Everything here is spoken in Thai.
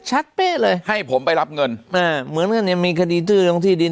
ชัดเป้เลยให้ผมไปรับเงินเหมือนกันเนี่ยมีคดีที่ดิน